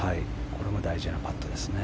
これも大事なパットですよね。